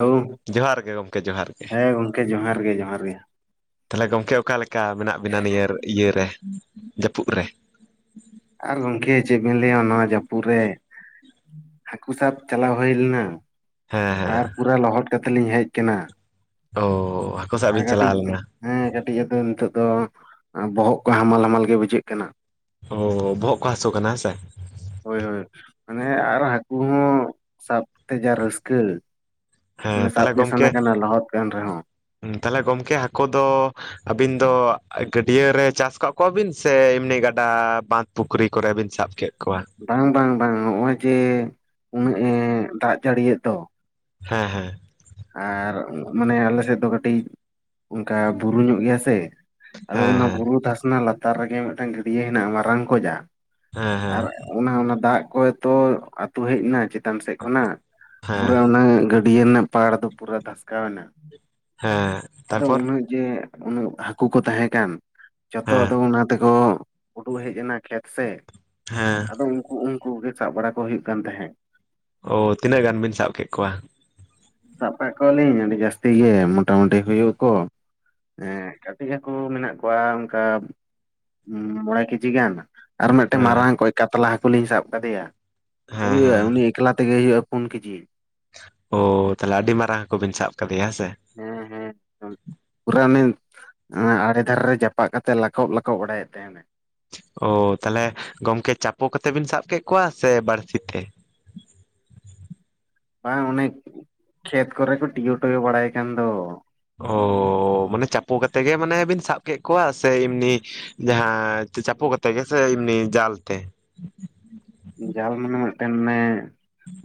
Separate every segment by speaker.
Speaker 1: [unintelligible]
Speaker 2: ᱡᱚᱦᱟᱨ ᱜᱮ ᱜᱚᱢᱠᱮ ᱡᱚᱦᱟᱨ ᱜᱮ
Speaker 1: ᱦᱮᱸ ᱜᱚᱢᱠᱮ ᱡᱚᱦᱟᱨ ᱜᱮ ᱡᱚᱦᱟᱨ ᱜᱮ
Speaker 2: ᱛᱟᱦᱚᱞᱮ ᱜᱚᱝᱠᱮ ᱚᱠᱟ ᱞᱮᱠᱟ ᱢᱮᱱᱟᱜ ᱵᱤᱱᱟ ᱱᱤᱭᱟᱹ ᱤᱭᱟᱹᱨᱮ ᱡᱟᱹᱯᱩᱫ ᱨᱮ
Speaker 1: ᱟᱨ ᱜᱚᱢᱠᱮ ᱪᱮᱫ ᱵᱤᱱ ᱞᱟᱹᱭᱟ ᱱᱚᱣᱟ ᱡᱟᱹᱯᱩᱫ ᱨᱮ ᱦᱟᱹᱠᱩ ᱥᱟᱵ ᱪᱟᱞᱟᱣ ᱦᱩᱭ ᱞᱮᱱᱟ
Speaker 2: ᱦᱮᱸ ᱦᱮᱸ
Speaker 1: ᱟᱨ ᱯᱩᱨᱟ ᱞᱚᱦᱚᱫ ᱠᱟᱛᱮᱫ ᱞᱤᱧ ᱦᱮᱡ ᱠᱟᱱᱟ
Speaker 2: ᱚᱻ
Speaker 1: ᱟᱨ ᱠᱟᱹᱴᱤᱡ ᱦᱮᱸ ᱠᱟᱹᱴᱤᱡ ᱟᱫᱚ ᱱᱤᱛᱚᱜ ᱫᱚ ᱵᱚᱦᱚᱜ ᱠᱚ ᱦᱟᱢᱟᱞ ᱦᱟᱢᱟᱞ ᱜᱮ ᱵᱩᱡᱷᱟᱹᱜ ᱠᱟᱱᱟ
Speaker 2: ᱚ ᱵᱚᱦᱚᱜ ᱠᱚ ᱦᱟᱹᱥᱩ ᱠᱟᱱᱟ ᱦᱮᱸ ᱥᱮ
Speaker 1: ᱦᱳᱭ ᱦᱳᱭ ᱢᱟᱱᱮ ᱟᱨ ᱦᱟᱹᱠᱩ ᱦᱚᱸ ᱥᱟᱵ ᱛᱮ ᱡᱟ ᱨᱟᱹᱥᱠᱟᱹ
Speaker 2: ᱦᱮᱸ
Speaker 1: ᱢᱟᱱᱮ ᱥᱟᱵᱜᱮ ᱥᱟᱱᱟ ᱠᱟᱱᱟ ᱞᱟᱦᱚᱫ ᱠᱟᱱ ᱨᱮᱦᱚᱸ
Speaker 2: ᱛᱟᱞᱦᱮ ᱜᱚᱢᱠᱮ ᱦᱟᱹᱠᱩ ᱫᱚ ᱟᱹᱵᱤᱱ ᱫᱚ ᱜᱟᱹᱰᱭᱟᱹ ᱨᱮ ᱪᱟᱥ ᱠᱟᱜ ᱠᱚᱣᱟᱵᱤᱱ ᱥᱮ ᱮᱢᱱᱤ ᱜᱟᱰᱟ ᱵᱟᱸᱫᱷ ᱯᱩᱠᱷᱨᱤ ᱠᱚᱨᱮ ᱵᱤᱱ ᱥᱟᱵ ᱠᱮᱫ ᱠᱚᱣᱟ
Speaker 1: ᱵᱟᱝ ᱵᱟᱝ ᱵᱟᱝ ᱱᱚᱜ-ᱚᱭ ᱡᱮ ᱩᱱᱟᱹᱜ ᱮ ᱫᱟᱜ ᱡᱟᱹᱲᱤᱭᱮᱫ ᱫᱚ
Speaker 2: ᱦᱮᱸ ᱦᱮᱸ
Speaker 1: ᱟᱨ ᱢᱟᱱᱮ ᱟᱞᱮᱥᱮᱫ ᱫᱚ ᱠᱟᱹᱴᱤᱡ ᱚᱝᱠᱟ ᱵᱩᱨᱩ ᱧᱚᱜ ᱜᱮᱭᱟ ᱥᱮ ᱟᱫᱚ
Speaker 2: ᱦᱮᱸ
Speaker 1: ᱚᱱᱟ
Speaker 2: ᱦᱮᱸ
Speaker 1: ᱵᱩᱨᱩ ᱫᱷᱟᱥᱱᱟ ᱞᱟᱛᱟᱨ ᱨᱮᱜᱮ ᱢᱤᱫᱴᱟᱝ ᱜᱟᱹᱰᱭᱟᱹ ᱦᱮᱱᱟᱜ-ᱟ ᱢᱟᱨᱟᱝ ᱠᱚᱡᱟᱜ
Speaker 2: ᱦᱮᱸ ᱦᱮᱸ
Speaker 1: ᱟᱨ ᱚᱱᱟ ᱚᱱᱟ ᱫᱟᱜ ᱠᱚ ᱛᱚ ᱟᱹᱛᱩ ᱦᱮᱡ ᱮᱱᱟ ᱪᱮᱛᱟᱱ ᱥᱮᱫ ᱠᱷᱚᱱᱟᱜ
Speaker 2: ᱦᱮᱸ
Speaker 1: ᱯᱩᱨᱟᱹ ᱚᱱᱟ ᱜᱟᱹ ᱰᱤᱭᱟᱹ ᱨᱮᱱᱟᱜ ᱯᱟᱲ ᱫᱚ ᱯᱩᱨᱟᱹ ᱫᱷᱟᱥᱠᱟᱣ ᱮᱱᱟ
Speaker 2: ᱦᱮᱸ
Speaker 1: ᱟᱫᱚ
Speaker 2: ᱛᱟᱨᱯᱚᱨ
Speaker 1: ᱩᱱᱟᱹᱜ ᱡᱮ ᱩᱱᱟᱹᱜ ᱦᱟᱹᱠᱩ ᱠᱚ ᱛᱟᱦᱮᱸ ᱠᱟᱱ ᱡᱚᱛᱚ
Speaker 2: ᱦᱮᱸ
Speaker 1: ᱟᱫᱚ ᱚᱱᱟ ᱛᱮᱠᱚ ᱩᱰᱩ ᱦᱮᱡ ᱮᱱᱟ ᱠᱷᱮᱛ ᱥᱮᱜ
Speaker 2: ᱦᱮᱸ
Speaker 1: ᱟᱫᱚ ᱩᱝᱠᱩ ᱜᱮ ᱥᱟᱵ ᱵᱟᱲᱟ ᱠᱚ ᱦᱩᱭᱩᱜ ᱠᱟᱱ ᱛᱟᱦᱮᱸᱫ
Speaker 2: ᱚ ᱛᱤᱱᱟᱹᱜ ᱜᱟᱱ ᱵᱤᱱ ᱥᱟᱵ ᱠᱮᱫ ᱠᱚᱣᱟ
Speaker 1: ᱥᱟᱵ ᱠᱟᱜ ᱠᱚᱣᱟᱞᱤᱧ ᱟᱹᱰᱤ ᱡᱟᱹᱥᱛᱤ ᱜᱮ ᱢᱳᱴᱟᱢᱩᱴᱤ ᱦᱩᱭᱩᱜ ᱟᱠᱚ ᱮᱸ ᱠᱟᱹᱴᱤᱡ ᱦᱟᱹᱠᱩ ᱢᱮᱱᱟᱜ ᱠᱚᱣᱟ ᱚᱱᱠᱟ ᱢᱚᱬᱮ ᱠᱤᱡᱤ ᱜᱟᱱ ᱟᱨ ᱢᱮᱫᱴᱮᱱ
Speaker 2: ᱦᱮᱸ
Speaker 1: ᱢᱟᱨᱟᱝ ᱠᱚᱡ ᱠᱟᱛᱞᱟ ᱦᱟᱹᱠᱩ ᱞᱤᱧ ᱥᱟᱵ ᱠᱟᱫᱮᱭᱟ
Speaker 2: ᱦᱮᱸ
Speaker 1: ᱦᱩᱭᱩᱟ
Speaker 2: ᱦᱮᱸ
Speaker 1: ᱩᱱᱤ ᱮᱠᱞᱟ ᱛᱮᱜᱮ ᱦᱩᱭᱩᱜ-ᱟ ᱯᱩᱱ ᱠᱤᱡᱤ
Speaker 2: ᱚ ᱛᱟᱦᱞᱮ ᱟᱹᱰᱤ ᱢᱟᱨᱟᱝ ᱦᱟᱹᱠᱩ ᱵᱤᱱ ᱥᱟᱵ ᱠᱟᱫᱮᱭᱟ ᱦᱮᱸ ᱥᱮ
Speaker 1: ᱦᱮᱸ ᱦᱮᱸ ᱮᱠᱫᱚᱢ ᱯᱩᱨᱟᱹ ᱩᱱᱤ ᱟᱲᱮ ᱫᱷᱟᱨᱮ ᱨᱮ ᱡᱟᱯᱟᱜ ᱠᱟᱛᱮᱫ ᱞᱟᱠᱟᱵ ᱞᱟᱠᱟᱵ ᱵᱟᱲᱟᱭᱮᱫ ᱛᱟᱦᱮᱱᱮ
Speaker 2: ᱚ ᱛᱟᱞᱦᱮ ᱜᱚᱝᱠᱮ ᱪᱟᱯᱚ ᱠᱟᱛᱮ ᱵᱤᱱ ᱥᱟᱵ ᱠᱮᱫ ᱠᱚᱣᱟ ᱥᱮ ᱵᱟᱲᱥᱤ ᱛᱮ
Speaker 1: ᱵᱟᱝ ᱚᱱᱮ ᱠᱷᱮᱛ ᱠᱚᱨᱮ ᱠᱚ ᱴᱤᱭᱚ ᱴᱚᱭᱚ ᱵᱟᱲᱟᱭ ᱠᱟᱱ ᱫᱚ
Speaker 2: ᱚᱻ ᱢᱟᱱᱮ ᱪᱟᱯᱚ ᱠᱟᱛᱮ ᱜᱮ ᱢᱟᱱᱮ ᱵᱤᱱ ᱥᱟᱵ ᱠᱮᱫ ᱠᱚᱣᱟ ᱥᱮ ᱮᱢᱱᱤ ᱡᱟᱦᱟᱸ ᱪᱟᱯᱚ ᱠᱟᱛᱮᱫ ᱜᱮᱥᱮ ᱮᱢᱱᱤ ᱡᱟᱞ ᱛᱮ
Speaker 1: ᱡᱟᱞ ᱢᱟᱱᱮ ᱢᱮᱫᱴᱮᱱ ᱟᱱᱮ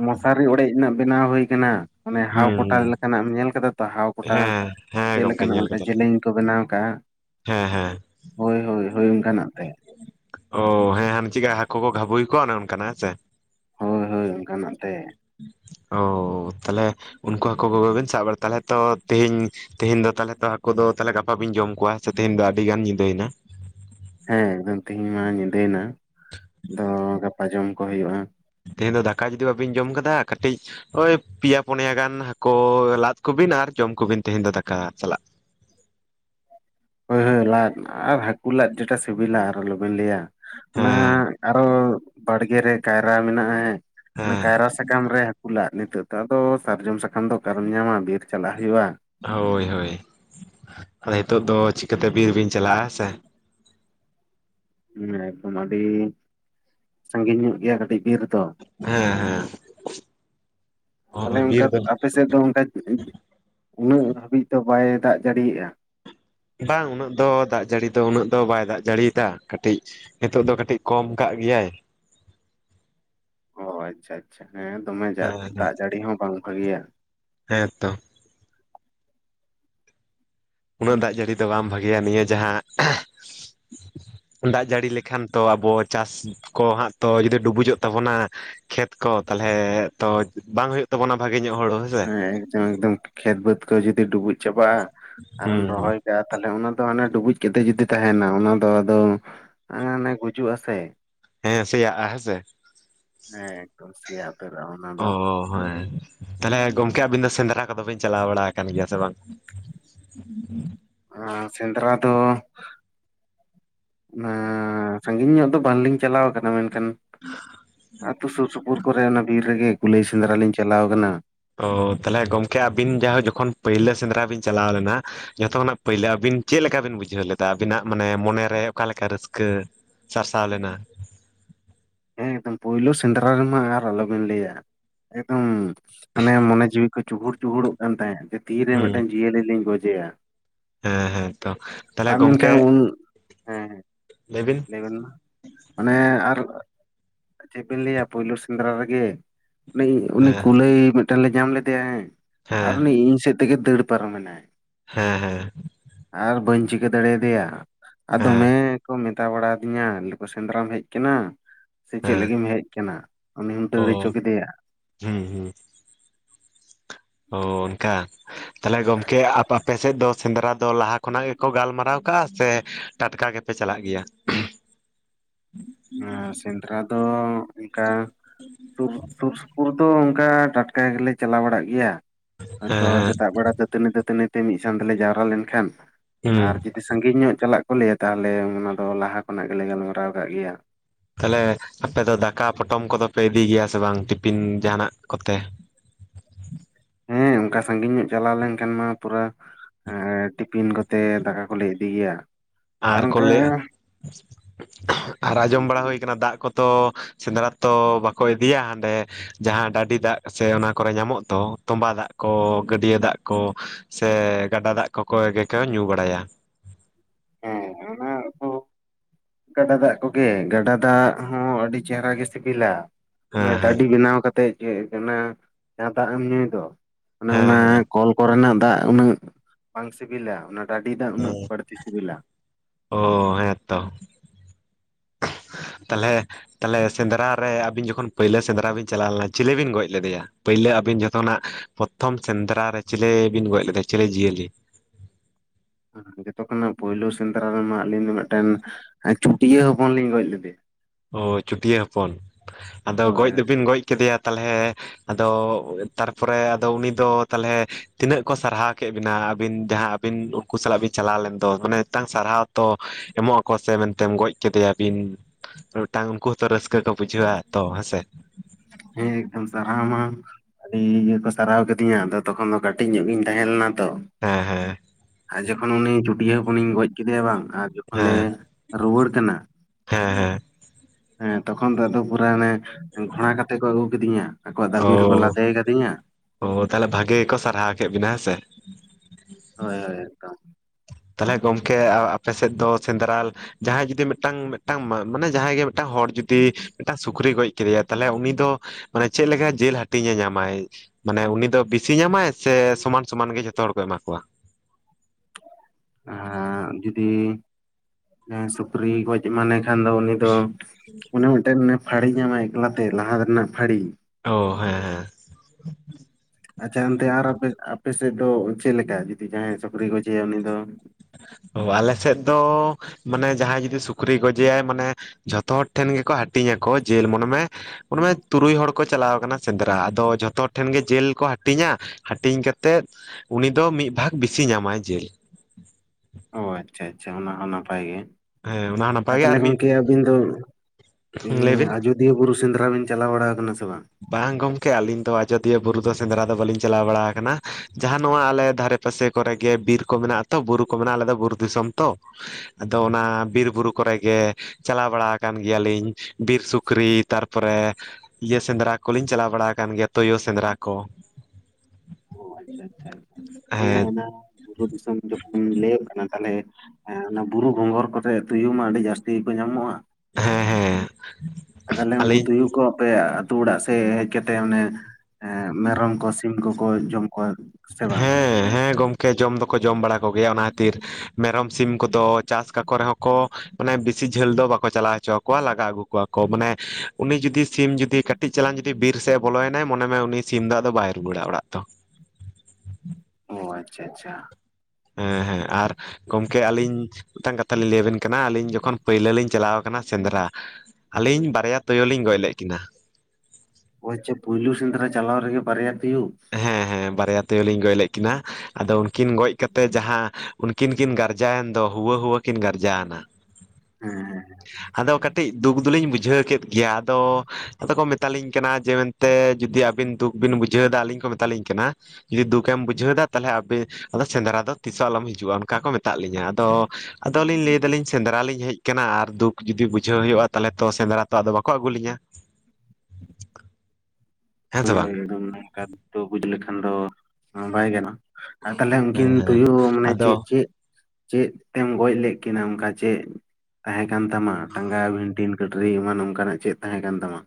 Speaker 1: ᱢᱚᱥᱟᱨᱤ ᱚᱲᱮᱡ ᱨᱮᱱᱟᱜ ᱵᱮᱱᱟᱣ ᱦᱩᱭ ᱠᱟᱱᱟ ᱚᱱᱮ ᱦᱟᱣ
Speaker 2: ᱦᱩᱸ
Speaker 1: ᱠᱚᱴᱟ
Speaker 2: ᱦᱩᱸ
Speaker 1: ᱞᱮᱠᱟᱱᱟᱜ ᱮᱢ ᱧᱮᱞ ᱠᱟᱫᱟ ᱛᱚ ᱦᱟᱣ ᱠᱴᱟ
Speaker 2: ᱦᱮᱸ ᱦᱮᱸ
Speaker 1: ᱪᱮᱞᱮᱠᱟ
Speaker 2: ᱜᱚᱝᱠᱮ
Speaker 1: ᱱᱟᱜ
Speaker 2: ᱧᱮᱞ
Speaker 1: ᱢᱮᱴᱮᱡ
Speaker 2: ᱠᱟᱫᱟᱞᱤᱧ
Speaker 1: ᱡᱮᱞᱮᱧ ᱠᱚ ᱵᱮᱱᱟᱣ ᱠᱟᱜ-ᱟ
Speaker 2: ᱦᱮᱸ ᱦᱮᱸ
Speaker 1: ᱦᱳᱭ ᱦᱳᱭ ᱦᱳᱭ ᱚᱝᱠᱟᱱᱟᱜ ᱛᱮ
Speaker 2: ᱚᱻ ᱦᱮᱸ ᱦᱟᱱᱮ ᱪᱤᱠᱟ ᱦᱟᱹᱠᱩ ᱠᱚ ᱜᱷᱟᱵᱩᱭ ᱠᱚᱣᱟ ᱚᱱᱮ ᱚᱱᱠᱟᱱᱟᱜ ᱦᱮᱸᱥᱮ
Speaker 1: ᱦᱳᱭ ᱦᱳᱭ ᱚᱱᱠᱟᱱᱟᱜ ᱛᱮ
Speaker 2: ᱳᱻ ᱛᱟᱞᱦᱮ ᱩᱱᱠᱩ ᱦᱟᱹᱠᱳ ᱜᱚᱜᱮ ᱵᱤᱱ ᱥᱟᱵ ᱵᱟᱲᱟ ᱛᱟᱞᱦᱮ ᱛᱚ ᱛᱤᱦᱤᱧ ᱛᱮᱦᱮᱧ ᱫᱚ ᱛᱟᱞᱦᱮ ᱛᱚ ᱦᱟᱹᱠᱩ ᱫᱚ ᱛᱟᱞᱦᱮ ᱜᱟᱯᱟ ᱵᱤᱱ ᱡᱚᱢ ᱠᱚᱣᱟ ᱦᱮᱸ ᱥᱮ ᱛᱤᱦᱤᱧ ᱟᱹᱰᱤ ᱜᱟᱱ ᱧᱤᱫᱟᱹᱭ ᱱᱟ
Speaker 1: ᱦᱮᱸ ᱮᱠᱫᱚᱢ ᱛᱤᱦᱤᱧ ᱢᱟ ᱧᱤᱫᱟᱹᱭ ᱱᱟ ᱟᱫᱚ ᱜᱟᱯᱟ ᱡᱚᱢ ᱠᱚ ᱦᱩᱭᱩᱜ-ᱟ
Speaker 2: ᱛᱮᱦᱮᱧ ᱫᱚ ᱫᱟᱠᱟ ᱡᱩᱫᱤ ᱵᱟᱵᱤᱱ ᱡᱚᱢ ᱠᱟᱫᱟ ᱠᱟᱹᱴᱤᱡ ᱳᱭ ᱯᱤᱭᱟ ᱯᱩᱱᱭᱟ ᱜᱟᱱ ᱦᱟᱹᱠᱳ ᱞᱟᱫ ᱠᱚᱵᱤᱱ ᱟᱨ ᱡᱚᱢ ᱠᱚᱵᱤᱱ ᱛᱮᱦᱮᱧ ᱫᱚ ᱫᱟᱠᱟ ᱥᱟᱞᱟᱜ
Speaker 1: ᱦᱳᱭ ᱦᱳᱭ ᱞᱟᱫ ᱟᱨ ᱦᱟᱹᱠᱩ ᱞᱟᱫ ᱡᱮᱴᱟ ᱥᱤᱵᱤᱞᱟ ᱟᱨ ᱟᱞᱚᱵᱤᱱ ᱞᱟᱹᱭᱟ ᱚᱱᱟ
Speaker 2: ᱦᱮᱸ
Speaker 1: ᱟᱨᱚ ᱵᱟᱲᱜᱮ ᱨᱮ ᱠᱟᱭᱨᱟ ᱢᱮᱱᱟᱜ-ᱟ ᱚᱱᱟ
Speaker 2: ᱦᱮᱸ
Speaker 1: ᱠᱟᱭᱨᱟ ᱥᱟᱠᱟᱢ ᱨᱮ ᱦᱟᱹᱠᱩ ᱞᱟᱫ ᱱᱤᱛᱚᱜ ᱫᱚ ᱟᱫᱚ ᱥᱟᱨᱡᱚᱢ ᱥᱟᱠᱟᱢ ᱫᱚ ᱚᱠᱟᱨᱮᱢ ᱧᱟᱢᱟ ᱵᱤᱨ ᱪᱟᱞᱟᱜ ᱦᱩᱭᱩᱟ
Speaker 2: ᱦᱳᱭ ᱦᱳᱭ ᱟᱫᱚ ᱦᱤᱛᱳᱜ ᱫᱚ ᱪᱤᱠᱟᱹᱛᱮ ᱵᱤᱨ ᱵᱤᱱ ᱪᱟᱞᱟᱜ-ᱟ ᱦᱮᱸ ᱥᱮ
Speaker 1: ᱦᱩᱸ ᱟᱹᱰᱤ ᱥᱟᱺᱜᱤᱧ ᱧᱚᱜ ᱜᱮᱭᱟ ᱠᱟᱹᱴᱤᱡ ᱵᱤᱨ ᱫᱚ
Speaker 2: ᱦᱮᱸ ᱦᱮᱸ
Speaker 1: ᱛᱟᱞᱦᱮ
Speaker 2: ᱦᱳᱭ ᱵᱤᱨ
Speaker 1: ᱚᱱᱠᱟ
Speaker 2: ᱫᱚ
Speaker 1: ᱟᱯᱮ ᱥᱮᱫ ᱫᱚ ᱚᱱᱠᱟ ᱩᱱᱟᱹᱜ ᱦᱟᱹᱵᱤᱡ ᱫᱚ ᱵᱟᱭ ᱫᱟᱜ ᱡᱟᱲᱤᱭᱮᱜ-ᱟ
Speaker 2: ᱵᱟᱝ ᱩᱱᱟᱹᱜ ᱫᱚ ᱫᱟᱜ ᱡᱟᱹᱲᱤ ᱫᱚ ᱩᱱᱟᱹᱜ ᱫᱚ ᱵᱟᱭ ᱫᱟᱜ ᱡᱟᱹᱲᱤᱭᱫᱟ ᱠᱟᱹᱴᱤᱡ ᱱᱤᱛᱚᱜ ᱫᱚ ᱠᱟᱹᱴᱤᱡ ᱠᱚᱢ ᱠᱟᱜ ᱜᱮᱭᱟᱭ,
Speaker 1: ᱚ ᱟᱪᱪᱷᱟ ᱟᱪᱪᱷᱟ ᱦᱮᱸ ᱫᱚᱢᱮ
Speaker 2: ᱦᱮᱸ
Speaker 1: ᱫᱟᱜ ᱡᱟᱹᱲᱤ ᱦᱚᱸ ᱵᱟᱝ ᱵᱷᱟᱜᱤᱭᱟ᱾
Speaker 2: ᱦᱮᱸᱛᱚ, ᱩᱱᱟᱹᱜ ᱫᱟᱜ ᱡᱟᱹᱲᱤ ᱫᱚ ᱵᱟᱝ ᱵᱷᱟᱜᱤᱭᱟ ᱱᱤᱭᱟᱹ ᱡᱟᱦᱟᱸ᱾ ᱫᱟᱜ ᱡᱟᱹᱲᱤ ᱞᱮᱠᱷᱟᱱ ᱛᱚ ᱟᱵᱚ ᱪᱟᱥ ᱠᱚ ᱦᱟᱸᱜ ᱛᱚ ᱡᱩᱫᱤ ᱰᱩᱵᱩᱡᱚᱜ ᱛᱟᱵᱚᱱᱟ᱾ ᱠᱷᱮᱛ ᱠᱚ ᱛᱟᱞᱦᱮ ᱛᱚ ᱵᱟᱝ ᱦᱩᱭᱩᱜ ᱛᱟᱵᱚᱱᱟ ᱵᱷᱟᱜᱤ ᱧᱚᱜ ᱦᱩᱲᱩ ᱦᱮᱸᱥᱮ᱾
Speaker 1: ᱦᱮᱸ ᱮᱠᱫᱚᱢ ᱮᱠᱫᱚᱢ᱾ ᱠᱷᱮᱛ ᱵᱟᱹᱫᱽ ᱠᱚ ᱡᱩᱫᱤ ᱰᱩᱵᱩᱡ ᱪᱟᱵᱟᱜᱼᱟ ᱟᱨᱮᱢ
Speaker 2: ᱦᱩᱸ
Speaker 1: ᱨᱚᱦᱚᱭ ᱠᱟᱜᱼᱟ ᱛᱟᱦᱚᱞᱮ ᱚᱱᱟ ᱫᱚ ᱦᱟᱱᱮ ᱰᱩᱵᱩᱡ᱾ ᱠᱟᱛᱮ ᱡᱩᱫᱤ ᱛᱟᱦᱮᱸᱱᱟ ᱚᱱᱟ ᱫᱚ ᱟᱫᱚ ᱜᱩᱡᱩᱜ-ᱟ ᱥᱮ᱾
Speaker 2: ᱦᱮᱸ ᱥᱮᱭᱟᱜᱼᱟ ᱦᱮᱸ ᱥᱮ᱾
Speaker 1: ᱦᱮᱸ ᱮᱠᱫᱚᱢ ᱥᱮᱭᱟᱵ [inaudible] ᱚᱱᱟ ᱫᱚ
Speaker 2: ᱚ ᱦᱮᱸ ᱛᱟᱦᱚᱞᱮ ᱜᱚᱢᱠᱮ ᱟᱵᱤᱱ ᱫᱚ ᱥᱮᱸᱫᱽᱨᱟ ᱠᱚᱫᱚ ᱵᱤᱱ ᱪᱟᱞᱟᱣ ᱵᱟᱲᱟ ᱟᱠᱟᱱ ᱜᱮᱭᱟ ᱥᱮ ᱵᱟᱝ?
Speaker 1: ᱚᱸ ᱥᱮᱸᱫᱽᱨᱟ ᱫᱚ᱾ ᱮᱸᱻ ᱥᱟᱺᱜᱤᱧ ᱧᱚᱜ ᱫᱚ ᱵᱟᱝᱞᱤᱧ ᱪᱟᱞᱟᱣ ᱟᱠᱟᱱᱟ ᱢᱮᱱ ᱠᱷᱟᱱ ᱟᱛᱳ ᱥᱩᱨ ᱥᱩᱯᱩᱨ ᱠᱚᱨᱮ ᱚᱱᱟ ᱵᱤᱨ ᱨᱮᱜᱮ ᱠᱩᱞᱟᱹᱭ ᱥᱮᱸᱫᱽᱨᱟ ᱞᱤᱧ ᱪᱟᱞᱟᱣ ᱟᱠᱟᱱᱟ᱾
Speaker 2: ᱚ ᱛᱟᱦᱞᱮ ᱜᱚᱢᱠᱮ ᱟᱹᱵᱤᱱ ᱡᱟᱣ ᱡᱚᱠᱷᱚᱱ ᱯᱳᱭᱞᱳ ᱥᱮᱸᱫᱽᱨᱟ ᱵᱤᱱ ᱪᱟᱞᱟᱣ ᱞᱮᱱᱟ᱾ ᱡᱚᱛᱚ ᱠᱷᱚᱱᱟᱜ ᱯᱳᱭᱞᱳ ᱟᱹᱵᱤᱱ ᱪᱮᱫ ᱞᱮᱠᱟ ᱵᱤᱱ ᱵᱩᱡᱷᱟᱹᱣ ᱞᱮᱫᱟ ᱟᱹᱵᱤᱱᱟᱜ ᱢᱟᱱᱮ ᱢᱚᱱᱮᱨᱮ ᱚᱠᱟ ᱞᱮᱠᱟ ᱨᱟᱹᱥᱠᱟᱹ᱾ ᱥᱟᱨᱥᱟᱣ ᱞᱮᱱᱟ᱾
Speaker 1: ᱦᱮᱸ ᱮᱠᱫᱚᱢ ᱯᱳᱭᱞᱳ ᱥᱮᱸᱫᱽᱨᱟ ᱨᱮᱢᱟ ᱟᱨ ᱟᱞᱚᱵᱤᱱ ᱞᱟᱹᱭᱟ ᱮᱠᱫᱚᱢ ᱢᱟᱱᱮ ᱢᱚᱱᱮ ᱡᱤᱣᱤ ᱪᱩᱦᱩᱲ ᱪᱩᱦᱩᱚᱜ ᱠᱟᱱ ᱛᱟᱦᱮᱸᱫ ᱡᱮ ᱛᱤᱨᱮ
Speaker 2: ᱦᱩᱸ
Speaker 1: ᱢᱤᱫᱴᱮᱱ ᱡᱤᱭᱟᱹᱞᱤ ᱞᱤᱧ ᱜᱚᱡᱮᱭᱟ᱾
Speaker 2: ᱦᱮᱸ ᱦᱮᱸ ᱛᱚ ᱛᱟᱦᱞᱮ
Speaker 1: ᱟᱨ
Speaker 2: ᱜᱚᱢᱠᱮ
Speaker 1: ᱢᱮᱱᱠᱷᱟᱱ ᱩᱱ ᱦᱮᱸ
Speaker 2: ᱞᱟᱹᱭ ᱵᱤᱱ᱾
Speaker 1: [unintelligible] ᱢᱟᱱᱮ ᱟᱨ᱾ ᱪᱮᱫ ᱵᱤᱱ ᱞᱟᱹᱭᱟ ᱯᱳᱭᱞᱳ ᱥᱮᱸᱫᱽᱨᱟ ᱨᱮᱜᱮ ᱩᱱᱤ ᱩᱱᱤ
Speaker 2: ᱦᱮᱸ
Speaker 1: ᱠᱩᱞᱟᱹᱭ ᱢᱤᱫᱴᱟᱝ ᱞᱮ ᱧᱟᱢ ᱞᱮᱫᱮᱭᱟ ᱦᱮᱸ᱾
Speaker 2: ᱦᱮᱸ
Speaker 1: ᱟᱨ ᱩᱱᱤ ᱤᱧ ᱥᱮᱫ ᱛᱮᱜᱮ ᱫᱟᱹᱲ ᱯᱟᱨᱚᱢᱮᱱᱟᱭ᱾
Speaker 2: ᱦᱮᱸ ᱦᱮᱸ᱾
Speaker 1: ᱟᱨ ᱵᱟᱹᱧ ᱪᱤᱠᱟᱹ ᱫᱟᱲᱮ ᱭᱟᱫᱮᱭᱟ ᱟᱨ
Speaker 2: ᱦᱮᱸ
Speaker 1: ᱫᱚᱢᱮ ᱠᱚ ᱢᱮᱛᱟ ᱵᱟᱲᱟ ᱟᱫᱤᱧᱟ ᱱᱚᱝᱠᱟ ᱥᱮᱸᱫᱽᱨᱟᱢ ᱦᱮᱡ ᱠᱟᱱᱟ᱾ ᱥᱮ ᱪᱮᱫ
Speaker 2: ᱦᱮᱸ
Speaker 1: ᱞᱟᱹᱜᱤᱫᱢ ᱦᱮᱡ ᱟᱠᱟᱱᱟ ᱩᱱᱤ ᱦᱚᱢ
Speaker 2: ᱚ
Speaker 1: ᱫᱟᱹᱲ ᱦᱚᱪᱚ ᱠᱮᱫᱮᱭᱟ᱾
Speaker 2: ᱦᱩᱸ ᱦᱩᱸ᱾ ᱚ ᱚᱱᱠᱟ ᱛᱟᱦᱚᱞᱮ ᱜᱚᱝᱠᱮ ᱟᱯ-ᱟᱯᱮ ᱥᱮᱫ ᱫᱚ᱾ ᱥᱮᱸᱫᱽᱨᱟ ᱫᱚ ᱞᱟᱦᱟ ᱠᱷᱚᱱᱟᱜ ᱜᱮᱠᱚ ᱜᱟᱞᱢᱟᱨᱟᱣ ᱠᱟᱜᱼᱟ ᱥᱮ ᱴᱟᱴᱠᱟ ᱜᱮᱯᱮ ᱪᱟᱞᱟᱜ ᱜᱮᱭᱟ᱾
Speaker 1: ᱥᱮᱸᱫᱽᱨᱟ ᱫᱚ ᱚᱱᱠᱟ ᱥᱩᱨ‌ ᱥᱩᱨ ᱥᱩᱯᱩᱨ᱾ ᱛᱚ ᱚᱱᱠᱟ ᱴᱟᱴᱠᱟ ᱜᱮᱞᱮ ᱪᱟᱞᱟ ᱵᱟᱲᱟᱜ ᱜᱮᱭᱟ
Speaker 2: ᱦᱮᱸ
Speaker 1: ᱥᱮᱛᱟᱜ ᱵᱮᱲᱟ ᱫᱟᱹᱛᱟᱹᱱᱤ ᱫᱟᱹᱛᱟᱹᱱᱤ ᱛᱮ ᱢᱤᱫ ᱥᱟᱶ ᱛᱮᱞᱮ ᱡᱟᱣᱨᱟ ᱞᱮᱱᱠᱷᱟᱱ
Speaker 2: ᱦᱩᱸ
Speaker 1: ᱟᱨ᱾ ᱡᱩᱫᱤ ᱥᱟᱺᱜᱤᱧ ᱧᱚᱜ ᱪᱟᱞᱟᱜ ᱠᱚ ᱞᱟᱹᱭᱟ ᱛᱟᱦᱚᱞᱮ ᱚᱱᱟ ᱫᱚ ᱞᱟᱦᱟ ᱠᱷᱚᱱᱟᱜ ᱜᱮᱞᱮ ᱜᱟᱞᱢᱟᱨᱟᱣ ᱟᱠᱟ ᱜᱮᱭᱟ᱾
Speaker 2: ᱛᱟᱦᱚᱞᱮ ᱟᱯᱮ ᱫᱚ ᱫᱟᱠᱟ ᱯᱚᱴᱚᱢ ᱠᱚᱫᱚ ᱯᱮ ᱤᱫᱤ ᱜᱮᱭᱟ ᱥᱮ ᱵᱟᱝ ᱴᱤᱯᱤᱱ ᱡᱟᱦᱱᱟᱜ ᱠᱚᱛᱮ᱾
Speaker 1: ᱦᱮᱸ ᱚᱱᱠᱟ ᱥᱟᱺᱟᱹᱜᱤᱧ ᱧᱚᱜ ᱪᱟᱞᱟᱣ ᱞᱮᱱᱠᱷᱟᱱ ᱢᱟ ᱯᱩᱨᱟ᱾ ᱮ ᱴᱤᱯᱷᱤᱱ ᱠᱚᱛᱮ ᱫᱟᱠᱟ ᱠᱚᱞᱮ ᱤᱫᱤ ᱜᱮᱭᱟ᱾
Speaker 2: ᱟᱨ ᱠᱚ ᱞᱟᱹᱭᱼᱟ ᱟᱨ ᱟᱸᱡᱚᱢ ᱵᱟᱲᱟ ᱦᱩᱭ ᱟᱠᱟᱱᱟ ᱫᱟᱜ ᱠᱚ ᱛᱚ ᱥᱮᱸᱫᱽᱨᱟ ᱛᱚ ᱵᱟᱠᱚ ᱤᱫᱤᱭᱟ ᱦᱟᱸᱰᱮ᱾ ᱡᱟᱦᱟᱸ ᱰᱟᱹᱰᱤ ᱫᱟᱜ ᱥᱮ ᱚᱱᱟ ᱠᱚᱨᱮ ᱧᱟᱢᱚᱜ ᱫᱚ ᱛᱚᱸᱵᱟ ᱫᱟᱜ ᱠᱚ ᱜᱟᱹᱰᱭᱟᱹ ᱫᱟᱜ ᱠᱚ ᱥᱮ ᱜᱟᱰᱟ ᱫᱟᱜ ᱠᱚᱠᱚ ᱜᱮᱠᱚ ᱧᱩ ᱵᱟᱲᱟᱭᱟ᱾
Speaker 1: ᱦᱮᱸ ᱚᱱᱟ ᱦᱚᱸ ᱜᱟᱰᱟ ᱫᱟᱜ ᱠᱚᱜᱮ ᱜᱟᱰᱟ ᱫᱟᱜ ᱦᱚᱸ ᱟᱹᱰᱤ ᱪᱮᱦᱨᱟ ᱜᱮ ᱥᱤᱵᱤᱞᱟ᱾ ᱚᱱᱟ
Speaker 2: ᱦᱮᱸ ᱦᱮᱸ
Speaker 1: ᱰᱟᱹᱰᱤ ᱵᱮᱱᱟᱣ ᱠᱟᱛᱮᱜ ᱡᱟᱦᱟᱸ ᱫᱟᱜ ᱮᱢ ᱧᱩᱭ ᱫᱚ ᱚᱱᱟ
Speaker 2: ᱦᱮᱸ ᱦᱮᱸ
Speaker 1: ᱠᱚᱞ᱾ ᱠᱚᱨᱮᱱᱟᱜ ᱫᱟᱜ ᱩᱱᱟᱹᱜ ᱵᱟᱝ ᱥᱤᱵᱤᱞᱟ ᱚᱱᱟ ᱰᱟᱹᱰᱤ ᱫᱟᱜ ᱩᱱᱟᱹᱜ ᱵᱟᱹᱲᱛᱤ ᱥᱤᱵᱤᱞᱟ᱾
Speaker 2: ᱚ ᱦᱮᱸ ᱛᱟᱦᱞᱮ᱾ ᱛᱟᱦᱚᱞᱮ ᱥᱮᱸᱫᱽᱨᱟ ᱨᱮ ᱟᱹᱵᱤᱱ ᱡᱚᱠᱷᱚᱱ ᱯᱳᱭᱞᱳ ᱥᱮᱸᱫᱽᱨᱟ ᱵᱤᱱ ᱪᱟᱞᱟᱣ ᱞᱮᱱᱟ ᱪᱤᱞᱤ ᱵᱤᱱ ᱜᱚᱡ ᱞᱮᱫᱮᱭᱟ ᱯᱳᱭᱞᱳ ᱟᱹᱵᱤᱱ ᱡᱚᱛᱚᱱᱟᱜ᱾ ᱯᱨᱚᱛᱷᱚᱢ ᱥᱮᱸᱫᱽᱨᱟ ᱨᱮ ᱪᱤᱞᱮ ᱵᱤᱱ ᱜᱚᱡ ᱞᱮᱫᱮᱭᱟ ᱪᱤᱞᱮ ᱡᱤᱭᱟᱹᱞᱤ᱾
Speaker 1: ᱡᱚᱛᱚ ᱠᱷᱚᱱᱟᱜ ᱯᱩᱭᱞᱩ ᱥᱮᱸᱫᱽᱨᱟ ᱨᱮᱢᱟ ᱟᱹᱞᱤᱧ ᱫᱚ ᱢᱤᱫᱴᱮᱱ ᱪᱷᱩᱴᱭᱟᱹ ᱦᱚᱯᱚᱱ ᱞᱤᱧ ᱜᱚᱡ ᱞᱮᱫᱮᱭᱟ ᱾
Speaker 2: ᱚ ᱪᱩᱟᱹᱴᱭᱟᱹ ᱦᱚᱯᱚᱱ ᱟᱫᱚ ᱜᱚᱡ
Speaker 1: ᱦᱳᱭ
Speaker 2: ᱫᱚᱵᱤᱱ ᱜᱚᱡ ᱠᱮᱫᱮᱭᱟ ᱛᱟᱞᱦᱮ ᱟᱫᱚ ᱛᱟᱨᱯᱚᱨᱮ ᱟᱫᱚ ᱩᱱᱤ ᱫᱚ ᱛᱟᱞᱦᱮ ᱛᱤᱱᱟᱹᱜ ᱠᱚ ᱥᱟᱨᱦᱟᱣ ᱠᱮᱫ ᱵᱤᱱᱟ ᱟᱵᱤᱱ ᱡᱟᱦᱟᱸ ᱵᱤᱱ ᱩᱱᱠᱩ ᱥᱟᱞᱟᱜ ᱵᱤᱱ ᱪᱟᱞᱟᱣ ᱞᱮᱱ ᱫᱚ ᱢᱟᱱᱮ ᱢᱤᱫᱴᱟᱝ ᱥᱟᱨᱦᱟᱣ ᱛᱚ ᱮᱢᱚᱜ ᱟᱠᱚ ᱥᱮ ᱢᱮᱱᱛᱮᱢ ᱜᱚᱡ ᱠᱮᱫᱮᱭᱟᱵᱤᱱ ᱢᱤᱫᱴᱟᱝ ᱩᱱᱠᱩ ᱦᱚᱸᱛᱚ ᱨᱟᱹᱥᱠᱟᱹ ᱠᱚ ᱵᱩᱡᱷᱟᱹᱣᱟ ᱛᱚ ᱦᱮᱸᱥᱮ
Speaker 1: ᱦᱮᱸ ᱮᱠᱫᱚᱢ ᱥᱟᱨᱦᱟᱣᱢᱟ ᱟᱹᱰᱤ ᱤᱭᱟᱹ ᱠᱚ ᱥᱟᱨᱦᱟᱣ ᱠᱤᱫᱤᱧᱟ ᱟᱫᱚ ᱛᱚᱠᱷᱚᱱ ᱫᱚ ᱠᱟᱹᱴᱤᱡ ᱧᱚᱜ ᱜᱤᱧ ᱛᱟᱦᱮᱸ ᱞᱮᱱᱟ ᱛᱚ
Speaker 2: ᱦᱮᱸ ᱦᱮᱸ
Speaker 1: ᱟᱨ ᱡᱚᱠᱷᱚᱱ ᱩᱱᱤ ᱪᱷᱩᱴᱭᱟᱹ ᱦᱚᱯᱚᱱᱤᱧ ᱜᱚᱡ ᱠᱮᱫᱮᱭᱟ ᱵᱟᱝ ᱟᱨ ᱡᱚᱠᱷᱚᱱ ᱞᱮ
Speaker 2: ᱦᱮᱸ
Speaker 1: ᱨᱩᱣᱟᱹᱲ ᱠᱟᱱᱟ
Speaker 2: ᱦᱮᱸ ᱦᱮᱸ
Speaker 1: ᱦᱮᱸ ᱛᱚᱠᱷᱚᱱ ᱫᱚ ᱟᱫᱚ ᱯᱩᱨᱟ ᱚᱱᱮ ᱜᱷᱚᱲᱟ ᱠᱟᱛᱮ ᱠᱚ ᱟᱹᱜᱩ ᱠᱤᱫᱤᱧᱟ ᱟᱠᱚᱣᱟᱜ
Speaker 2: ᱚ
Speaker 1: ᱫᱟᱹᱵᱤ ᱨᱮᱠᱚ ᱞᱟ ᱞᱟᱹᱭ ᱠᱟᱫᱤᱧᱟ
Speaker 2: ᱚ ᱛᱟᱦᱚᱞᱮ ᱵᱷᱟᱜᱤ ᱜᱮᱠᱚ ᱥᱟᱨᱦᱟᱣ ᱠᱮᱫ ᱵᱤᱱᱟ ᱦᱮᱸ ᱥᱮ
Speaker 1: ᱦᱳᱭ ᱦᱳᱭ ᱛᱚ
Speaker 2: ᱛᱟᱦᱚᱞᱮ ᱜᱚᱢᱠᱮ ᱟᱯᱮ ᱥᱮᱫ ᱫᱚ ᱥᱮᱸᱫᱽᱨᱟ ᱾ ᱡᱟᱦᱟᱸᱭ ᱡᱩᱫᱤ ᱢᱤᱫᱴᱟᱝ ᱢᱤᱫᱴᱟᱝ ᱢᱟᱱᱮ ᱡᱟᱦᱟᱸᱭ ᱜᱮ ᱢᱤᱫᱴᱟᱝ ᱦᱚᱲ ᱡᱩᱫᱤ ᱢᱤᱫᱴᱟᱝ ᱥᱩᱠᱨᱤ ᱜᱚᱡ ᱠᱮᱫᱮᱭᱟ ᱛᱟᱦᱞᱮ ᱩᱱᱤ ᱫᱚ ᱢᱟᱱᱮ ᱪᱮᱫ ᱞᱮᱠᱟ ᱡᱤᱞ ᱦᱟᱹᱴᱤᱧᱮ ᱧᱟᱢᱟᱭ ᱢᱟᱱᱮ ᱩᱱᱤ ᱫᱚ ᱵᱤᱥᱤ ᱧᱟᱢᱟᱭ ᱥᱮ ᱥᱚᱢᱟᱱ ᱥᱚᱢᱟᱱ ᱜᱮ ᱡᱷᱚᱛᱚ ᱦᱚᱲ ᱠᱚ ᱮᱢᱟ ᱠᱚᱣᱟ
Speaker 1: ᱦᱮᱸ ᱡᱩᱫᱤ ᱥ ᱥᱩᱠᱨᱤ ᱜᱚᱡ ᱮᱢᱟᱱᱮ ᱠᱷᱟᱱ ᱫᱚ ᱩᱱᱤ ᱫᱚ ᱚᱱᱮ ᱢᱤᱫᱴᱮᱱ ᱯᱷᱟᱹᱲᱤ ᱧᱟᱢᱟᱭ ᱮᱠᱞᱟᱛᱮ ᱞᱟᱦᱟ ᱨᱮᱱᱟᱜ ᱯᱷᱟᱹᱲᱤ
Speaker 2: ᱚ ᱦᱮᱸ ᱦᱮᱸ
Speaker 1: ᱟᱪᱪᱷᱟ ᱚᱱᱛᱮ ᱟᱨ ᱟᱯ ᱟᱯᱮ ᱥᱮᱫ ᱫᱚ ᱪᱮᱫ ᱞᱮᱠᱟ ᱡᱩᱫᱤ ᱡᱟᱦᱟᱸᱭ ᱥᱩᱠᱨᱤ ᱠᱚ ᱪᱮᱭᱟ ᱩᱱᱤ ᱫᱚ
Speaker 2: ᱚ ᱟᱞᱮ ᱥᱮᱫ ᱫᱚ ᱢᱟᱱᱮ ᱡᱟᱦᱟᱸᱭ ᱡᱩᱫᱤ ᱥᱩᱠᱨᱤ ᱜᱚᱡᱮᱟᱭ ᱢᱟᱱᱮ ᱡᱷᱚᱛᱚ ᱦᱚᱲ ᱴᱷᱮᱱ ᱜᱮᱠᱚ ᱦᱟᱹᱴᱤᱧ ᱟᱠᱚ ᱡᱮᱞ ᱢᱚᱱᱮ ᱢᱮ ᱢᱚᱱᱮᱢᱮ ᱛᱩᱨᱩᱭ ᱦᱚᱲ ᱠᱚ ᱪᱟᱞᱟᱣ ᱠᱟᱱᱟ ᱥᱮᱸᱫᱽᱨᱟ ᱟᱫᱚ ᱡᱷᱚᱛᱚ ᱴᱷᱮᱱ ᱜᱮ ᱡᱮᱞ ᱠᱚ ᱦᱟᱹᱴᱤᱧᱟ ᱦᱟᱹᱴᱤᱧ ᱠᱟᱛᱜ ᱩᱱᱤ ᱫᱚ ᱢᱤᱫ ᱵᱷᱟᱜᱽ ᱵᱤᱥᱤ ᱧᱟᱢᱟᱭ ᱡᱤᱞ
Speaker 1: ᱚ ᱟᱪᱪᱷᱟ ᱟᱪᱪᱷᱟ ᱚᱱᱟ ᱦᱚᱸ ᱱᱟᱯᱟᱭ ᱜᱮ
Speaker 2: ᱦᱮᱸ ᱚᱱᱟ ᱦᱚᱸ
Speaker 1: ᱟᱨ
Speaker 2: ᱱᱟᱯᱟᱭ ᱜᱮ
Speaker 1: ᱛᱟᱦᱚᱞᱮ
Speaker 2: ᱢᱤᱫ
Speaker 1: ᱜᱚᱢᱠᱮ ᱟᱹᱵᱤᱱ ᱫᱚ
Speaker 2: ᱞᱟᱹᱭ ᱵᱤᱱ
Speaker 1: ᱟᱡᱩᱫ ᱵᱤᱨ ᱵᱩᱨᱩ ᱥᱮᱸᱫᱽᱨᱟ ᱵᱮᱱ ᱪᱟᱞᱟᱣ ᱵᱟᱲᱟ ᱟᱠᱟᱱᱟ ᱥᱮ ᱵᱟᱝ
Speaker 2: ᱵᱟᱝ ᱜᱚᱢᱠᱮ ᱟᱹᱞᱤᱧ ᱫᱚ ᱟᱡᱚᱫᱤᱭᱟᱹ ᱵᱩᱨᱩ ᱫᱚ ᱥᱮᱸᱫᱽᱨᱟ ᱫᱚ ᱵᱟᱹᱞᱤᱧ ᱪᱟᱞᱟᱣ ᱵᱟᱲᱟ ᱟᱠᱟᱱᱟ ᱡᱟᱦᱟᱸ ᱱᱚᱣᱟ ᱟᱞᱮ ᱫᱷᱟᱨᱮ ᱯᱟᱥᱮ ᱠᱚᱨᱮ ᱜᱮ ᱵᱤᱨ ᱠᱚ ᱢᱮᱱᱟᱜᱼᱟ ᱟᱛᱚ ᱵᱩᱨᱩ ᱠᱚ ᱢᱮᱱᱟᱜᱼᱟ ᱟᱞᱮ ᱫᱚ ᱵᱩᱨᱩ ᱫᱤᱥᱚᱢ ᱛᱚ ᱟᱫᱚ ᱚᱱᱟ ᱵᱤᱨ ᱵᱩᱨᱩ ᱠᱚᱨᱮ ᱜᱮ ᱪᱟᱞᱟᱣ ᱵᱟᱲᱟ ᱟᱠᱟᱱ ᱜᱮᱭᱟᱞᱤᱧ ᱵᱤᱨ ᱥᱩᱠᱨᱤ ᱛᱟᱨᱯᱚᱨᱮ ᱥᱮᱸᱫᱽᱨᱟ ᱠᱚᱞᱤᱧ ᱪᱟᱞᱟᱣ ᱵᱟᱲᱟ ᱟᱠᱟᱱ ᱜᱮᱭᱟ ᱛᱩᱭᱩ ᱥᱮᱸᱫᱽᱨᱟ ᱠᱚ
Speaker 1: ᱚ ᱟᱪᱪᱷᱟ ᱟᱪᱪᱷᱟ ᱟᱪᱪᱷᱟ ᱦᱮᱸ ᱚᱱᱟ ᱵᱩᱨᱩ ᱫᱤᱥᱚᱢ ᱡᱚᱠᱷᱚᱱ ᱞᱟᱹᱭᱚᱜ ᱠᱟᱱᱟ ᱛᱟᱦᱚᱞᱮ ᱦᱮᱸ ᱚᱱᱟ ᱵᱩᱨᱩ ᱜᱷᱚᱝᱜᱚᱨ ᱠᱚᱨᱮ ᱛᱩᱭᱩ ᱢᱟ ᱟᱹᱰᱤ ᱡᱟᱹᱥᱛᱤ ᱜᱤᱠᱚ ᱧᱟᱢᱚᱜᱼᱟ
Speaker 2: ᱦᱮᱸ ᱦᱮᱸ
Speaker 1: ᱛᱟᱦᱚᱞᱮ ᱩᱱᱠᱩ
Speaker 2: ᱟᱹᱞᱤᱧ
Speaker 1: ᱛᱩᱭᱩᱜ ᱠᱚᱯᱮ ᱚᱲᱟᱜ ᱥᱮᱡ ᱦᱮᱡ ᱠᱟᱛᱮ ᱚᱱᱮ ᱢᱮᱨᱚᱢ ᱠᱚ ᱥᱤᱢ ᱠᱚ ᱡᱚᱢ ᱦᱭ [inaudible]
Speaker 2: ᱦᱮᱸ ᱦᱮᱸ ᱜᱚᱢᱠᱮ ᱡᱚᱢ ᱫᱚᱠᱚ ᱡᱚᱢ ᱵᱟᱲᱟ ᱠᱚᱜᱮᱭᱟ ᱚᱱᱟ ᱠᱷᱟᱹᱛᱤᱨ ᱢᱮᱨᱚᱢ ᱥᱤᱢ ᱠᱚᱫᱚ ᱪᱟᱥ ᱠᱟᱠᱚ ᱨᱮᱦᱚᱸ ᱠᱚ ᱢᱟᱱᱮ ᱵᱮᱥᱤ ᱡᱷᱟᱹᱞ ᱫᱚ ᱵᱟᱠᱚ ᱪᱟᱞᱟᱣ ᱦᱚᱪᱚ ᱟᱠᱚᱣᱟ ᱞᱟᱜᱟᱣ ᱟᱹᱜᱩ ᱠᱚᱣᱟ ᱠᱚ ᱢᱟᱱᱮ ᱩᱱᱤ ᱡᱩᱚᱫᱤ ᱥᱤᱢ ᱡᱩᱫᱤ ᱠᱟᱹᱴᱤᱡ ᱪᱮᱞᱟᱝ ᱡᱩᱫᱤ ᱵᱤᱨ ᱥᱮᱫ ᱮ ᱵᱚᱞᱚᱭᱮᱱᱟᱭ ᱢᱚᱱᱮᱢ ᱩᱱᱤ ᱥᱤᱢ ᱫᱟᱜ ᱫᱚ ᱵᱟᱭ ᱨᱩᱣᱟᱹᱲᱟ ᱚᱲᱟᱜ ᱫᱚ
Speaker 1: ᱚ ᱟᱪᱪᱷᱟ ᱟᱪᱪᱷᱟ
Speaker 2: ᱦᱮᱸ ᱦᱮᱸ ᱟᱨ ᱜᱚᱢᱠᱮ ᱟᱹᱞᱤᱧ ᱢᱤᱫᱴᱟᱝ ᱠᱟᱛᱷᱟ ᱞᱤᱧ ᱞᱟᱹᱭᱟᱵᱮᱱ ᱠᱟᱱᱟ ᱟᱹᱞᱤᱧ ᱡᱚᱠᱷᱚᱱ ᱯᱟ. ᱭᱞᱟ. ᱞᱤᱧ ᱪᱟᱞᱟᱣ ᱟᱠᱟᱱᱟ ᱠᱟᱱᱟ ᱥᱮᱸᱫᱽᱨᱟ ᱟᱹᱞᱤᱧ ᱵᱟᱨᱭᱟ ᱛᱩᱭᱩ ᱞᱤᱧ ᱜᱚᱡ ᱞᱮᱫ ᱠᱤᱱᱟ
Speaker 1: ᱪᱮ ᱯᱩᱭᱞᱩ ᱥᱮᱸᱫᱽᱨᱟ ᱪᱟᱞᱟᱣ ᱨᱮᱜᱮ ᱯᱟᱨᱭᱟ ᱛᱩᱛ
Speaker 2: ᱦᱮᱸ ᱦᱮᱸ ᱵᱟᱨᱭᱟ ᱛᱮ ᱞᱤᱧ ᱜᱚᱡ ᱞᱮᱫ ᱠᱤᱱᱟ ᱾ ᱟᱫᱚ ᱩᱱᱠᱤᱱ ᱜᱚᱡ ᱠᱟ ᱠᱟᱛᱮᱫ ᱡᱟᱦᱟᱸ ᱩᱱᱠᱤᱱ ᱠᱤᱱ ᱜᱟᱨᱡᱟᱭᱮᱱ ᱫᱚ ᱦᱩᱣᱟᱹᱦᱩᱣᱟᱹᱠᱤᱱ ᱜᱟᱨᱡᱟᱣᱱᱟ
Speaker 1: ᱦᱮᱸ ᱦᱮᱸ ᱦᱮᱸ
Speaker 2: ᱟᱫᱚ ᱠᱟᱹᱴᱤᱡ ᱫᱩᱠ ᱫᱚᱞᱤᱧ ᱵᱩᱡᱷᱟᱹᱣ ᱠᱮᱫ ᱜᱮᱭᱟ ᱟᱫᱚ ᱟᱫᱚ ᱠᱚ ᱢᱮᱛᱟᱞᱤᱧ ᱠᱟᱱᱟ ᱡᱮ ᱛᱮ ᱡᱩᱫᱤ ᱟᱹᱵᱮᱱ ᱫᱩᱠ ᱵᱤᱱ ᱵᱩᱡᱷᱟᱹᱣᱮᱫᱟ ᱟᱹᱞᱤᱧ ᱠᱚ ᱢᱮᱛᱟᱞᱤᱧ ᱠᱟᱱᱟ ᱡᱩᱫᱤ ᱫᱩᱠᱮᱢ ᱵᱩᱡᱷᱟᱹᱣ ᱮᱫᱟ ᱛᱟᱦᱚᱞᱮ ᱟᱵᱮᱱ ᱟᱫᱚ ᱥᱮᱸᱫᱽᱨᱟ ᱫᱚ ᱛᱤᱥᱦᱚᱸ ᱟᱞᱚᱢ ᱦᱤᱡᱩᱜᱼᱟ ᱚᱱᱠᱟ ᱠᱚ ᱢᱮᱛᱟᱜ ᱞᱤᱧᱟᱹ ᱟᱫᱚ ᱟᱫᱚᱞᱤᱧ ᱞᱟᱹᱭ ᱫᱟᱞᱤᱧ ᱥᱮᱸᱫᱽᱨᱟ ᱞᱤᱧ ᱦᱮᱡ ᱟᱠᱟᱱᱟ ᱟᱨ ᱫᱩᱠ ᱡᱩᱫᱤ ᱵᱩᱡᱷᱟᱹᱣ ᱦᱩᱭᱩᱜᱼᱟ ᱛᱟᱦᱚᱞᱮ ᱥᱮᱸᱫᱽᱨᱟ ᱛᱚ ᱟᱫᱚ ᱵᱟᱠᱚ ᱟᱹᱜᱩ ᱞᱤᱭᱟᱹ ᱦᱮᱸ
Speaker 1: ᱦᱳᱭ
Speaker 2: ᱥᱮ
Speaker 1: ᱦᱳᱭ
Speaker 2: ᱵᱟᱝ
Speaker 1: ᱮᱠᱫᱚᱢ ᱱᱚᱝᱠᱟ ᱵᱩᱡᱽ ᱞᱮᱠᱷᱟᱱ ᱫᱚ ᱵᱟᱭ ᱜᱟᱱᱚᱜ ᱟᱨ ᱛᱟᱦᱚᱞᱮ
Speaker 2: ᱦᱮᱸ
Speaker 1: ᱩᱱᱠᱤᱱ
Speaker 2: ᱦᱮᱸ
Speaker 1: ᱛᱩᱭᱩ ᱢᱟᱱᱮ
Speaker 2: ᱟᱫᱚ
Speaker 1: ᱪᱮᱫ ᱪᱮᱫ ᱪᱮᱫ ᱛᱮᱢ ᱜᱚᱡ ᱞᱮᱫ ᱠᱤᱱᱟᱹ ᱚᱱᱠᱟ ᱪᱮᱫ ᱛᱟᱦᱮᱸ ᱠᱟᱱ ᱛᱟᱢᱟ ᱴᱟᱸᱜᱟ ᱵᱷᱤᱱᱴᱤᱱ ᱠᱟᱴᱟᱹᱨᱤ ᱮᱢᱟᱱ ᱚᱝᱠᱟᱱᱟᱜ ᱪᱮᱫ ᱛᱟᱦᱮᱸ ᱠᱟᱱ ᱛᱟᱢᱟ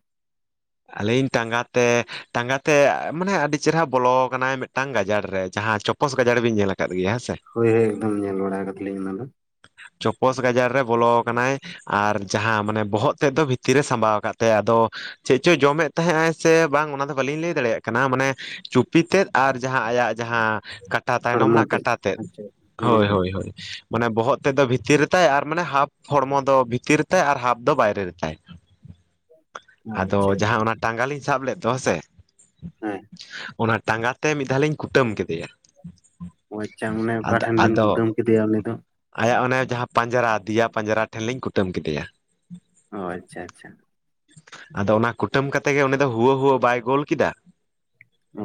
Speaker 2: ᱟᱹᱞᱤᱧ ᱴᱟᱸᱜᱟ ᱛᱮ ᱴᱟᱸᱜᱟ ᱛᱮ ᱢᱟᱱᱮ ᱟᱹᱰᱤ ᱪᱮᱨᱦᱨᱟ ᱵᱚᱞᱚ ᱟᱠᱟᱱᱟᱭ ᱢᱤᱫᱴᱟᱝ ᱜᱟᱡᱟᱲ ᱨᱮ ᱡᱟᱦᱟᱸ ᱪᱚ ᱩᱯᱚᱥ ᱜᱟᱡᱟᱲ ᱵᱮᱱ ᱧᱮᱞ ᱟᱠᱟᱫ ᱜᱮᱭᱟ ᱦᱮᱸ ᱥᱮ
Speaker 1: ᱦᱳᱭ ᱦᱳᱭ ᱮᱠᱫᱚᱢ ᱧᱮᱞ ᱵᱟᱲᱟ ᱠᱟᱫᱟᱞᱤᱧ ᱚᱱᱟ ᱫᱚ
Speaker 2: ᱪᱚᱯᱚᱥ ᱜᱟᱡᱟᱲ ᱨᱮ ᱵᱚᱞᱚ ᱟᱠᱟᱱᱟᱭ ᱟᱨ ᱡᱟᱦᱟᱸ ᱢᱟᱱᱮ ᱵᱚᱦᱚᱜ ᱛᱮᱫ ᱫᱚ ᱵᱷᱤᱛᱤᱨ ᱨᱮ ᱥᱟᱢᱵᱟᱣ ᱟᱠᱟᱫ ᱛᱟᱭᱟᱭ ᱟᱫᱚ ᱪᱮᱫ ᱪᱚᱭ ᱡᱚᱢᱮᱫ ᱛᱟᱦᱮᱸ ᱟᱭ ᱥᱮ ᱵᱟᱝ ᱚᱱᱟ ᱫᱚ ᱵᱟᱹᱞᱤᱧ ᱞᱟᱹᱭ ᱫᱟᱲᱮᱭᱟᱜ ᱠᱟᱱᱟ ᱢᱟᱱᱮ ᱪᱩᱯᱤ ᱛᱮᱫ ᱟᱨ ᱡᱟᱦᱟᱸ ᱟᱭᱟᱜ ᱡᱟᱦᱟᱸ ᱠᱟᱴᱟ ᱛᱟᱭᱱᱚᱢ
Speaker 1: ᱦᱚᱲᱢᱚ
Speaker 2: ᱨᱮᱱᱟᱜ ᱠᱟᱴᱟ ᱛᱮᱫ
Speaker 1: ᱟᱪᱪᱷᱟ ᱦᱮᱸ
Speaker 2: ᱦᱳᱭ
Speaker 1: ᱦᱮᱸ
Speaker 2: ᱦᱳᱭ ᱢᱟᱱᱮ ᱵᱚᱦᱚᱜ ᱛᱮᱫ ᱫᱚ ᱵᱷᱤᱛᱤᱨ ᱨᱮᱛᱟᱭ ᱟᱨ ᱢᱟᱱᱮ ᱦᱟᱯᱷ ᱦᱚᱲᱢᱚ ᱫᱚ ᱵᱷᱤᱛᱤᱨ ᱛᱟᱭ ᱟᱨ ᱦᱟᱯᱷ ᱫᱚ ᱵᱟᱦᱨᱮ ᱛᱟᱭ
Speaker 1: ᱚ
Speaker 2: ᱟᱫᱚ
Speaker 1: ᱟᱪᱪᱷᱟ
Speaker 2: ᱡᱟᱦᱟᱸ
Speaker 1: ᱟᱪᱪᱷᱟ
Speaker 2: ᱚᱱᱟ ᱴᱟᱸᱜᱟᱞᱤᱧ ᱥᱟᱵ ᱞᱮᱫ ᱫᱚ ᱦᱮᱸᱥᱮ
Speaker 1: ᱦᱮᱸ
Speaker 2: ᱚᱱᱟ ᱴᱟᱸᱜᱟ ᱛᱮ ᱢᱤᱫ ᱫᱷᱟᱣ ᱞᱤᱧ ᱠᱩᱴᱟᱹᱢ ᱠᱮᱫᱮᱭᱟ ᱾
Speaker 1: ᱟᱪᱪᱷᱟ ᱚᱱᱮ ᱚᱠᱟ ᱴᱷᱮᱱ ᱵᱮᱱ ᱠᱩᱴᱟᱹᱢ ᱠᱮᱫᱮᱭᱟ ᱩᱱᱤ ᱫᱚ
Speaker 2: ᱟᱭᱟᱜ ᱚᱱᱮ ᱡᱟᱦᱟᱸ ᱯᱟᱸᱡᱽᱨᱟ ᱫᱮᱭᱟ ᱯᱟᱸᱡᱽᱨᱟ ᱴᱷᱮᱱ ᱞᱤᱧ ᱠᱩᱴᱟᱹᱢ ᱠᱮᱫᱮᱭᱟ ᱾
Speaker 1: ᱚ ᱟᱪᱪᱷᱟ ᱟᱪᱪᱷᱟ
Speaker 2: ᱟᱫᱚ ᱚᱱᱟ ᱠᱩᱴᱟᱹᱢ ᱠᱟᱛᱮᱜ ᱜᱮ ᱩᱱᱤ ᱫᱚ ᱦᱩᱣᱟᱹ ᱦᱩᱣᱟᱹ ᱵᱟᱭ ᱜᱳᱞ ᱠᱮᱫᱟ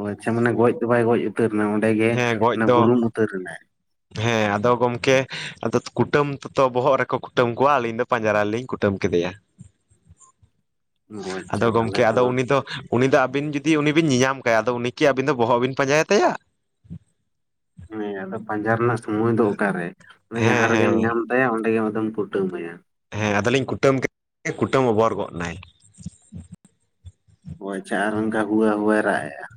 Speaker 1: ᱚ ᱟᱪᱪᱷᱟ ᱢᱟᱱᱮ ᱜᱚᱡ ᱫᱚ ᱵᱟᱭ ᱜᱚᱡ ᱩᱛᱟᱹᱨ ᱮᱱᱟ ᱚᱸᱰᱮ ᱜᱮ
Speaker 2: ᱦᱮᱸ ᱜᱚᱡ ᱫᱚ
Speaker 1: ᱵᱩᱨᱩᱢ ᱩᱛᱟᱹᱨᱮᱱᱟᱭ
Speaker 2: ᱦᱮᱸ ᱟᱫᱚ ᱜᱚᱝᱠᱮ ᱟᱫᱚ ᱠᱩᱴᱟᱹᱢ ᱛᱚᱛᱚ ᱵᱚᱦᱚᱜ ᱨᱮᱠᱚ ᱠᱩᱴᱟᱹᱢ ᱠᱚᱣᱟ ᱟᱹᱞᱤᱧ ᱫᱚ ᱯᱟᱸᱡᱽᱨᱟ ᱨᱮᱞᱤᱧ ᱠᱩᱴᱟᱹᱢ ᱠᱮᱫᱮᱭᱟ
Speaker 1: ᱚ
Speaker 2: ᱟᱫᱚ
Speaker 1: ᱟᱪᱪᱷᱟ ᱛᱟᱦᱚᱞᱮ
Speaker 2: ᱜᱚᱝᱠᱮ
Speaker 1: ᱛᱚ
Speaker 2: ᱟᱫᱚ ᱩᱱᱤ ᱫᱚ ᱩᱱᱤ ᱫᱚ ᱟᱵᱮᱱ ᱡᱩᱫᱤ ᱩᱱᱤᱵᱮᱱ ᱧᱟᱢ ᱠᱟᱭᱟ ᱟᱫᱚ ᱩᱱᱤ ᱠᱤ ᱟᱵᱮᱱ ᱫᱚ ᱵᱚᱦᱚᱜ ᱵᱮᱱ ᱯᱟᱸᱡᱟᱭ ᱛᱟᱭᱟ ᱾
Speaker 1: ᱦᱮᱸ ᱟᱫᱚ ᱯᱟᱸᱡᱟ ᱨᱮᱱᱟᱜ ᱥᱚᱢᱚᱭ ᱫᱚ ᱚᱠᱟᱨᱮ ᱮ
Speaker 2: ᱦᱮᱸ
Speaker 1: ᱡᱟᱦᱟᱸ ᱨᱮᱜᱮᱢ
Speaker 2: ᱦᱮᱸ
Speaker 1: ᱧᱟᱢ ᱛᱟᱭᱟ ᱚᱸᱰᱮ ᱟᱫᱚᱢ ᱠᱩᱴᱟᱹᱢ ᱛᱟᱭᱟ
Speaker 2: ᱦᱮᱸ ᱟᱫᱚᱞᱤᱧ ᱠᱩᱴᱟᱹᱢ ᱠᱮᱫ ᱠᱩᱴᱟᱹᱢ ᱚᱵᱚᱨ ᱜᱚᱫ ᱱᱟᱭ
Speaker 1: ᱦᱚᱸᱼᱚᱭ ᱟᱪᱪᱪᱟ ᱟᱨ ᱚᱝᱠᱟ ᱦᱩᱣᱟᱹ ᱦᱩᱣᱟᱹ ᱨᱟᱜ ᱮᱫᱼᱟᱭ